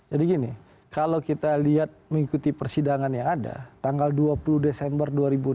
jadi gini kalau kita lihat mengikuti persidangan yang ada tanggal dua puluh desember dua ribu enam belas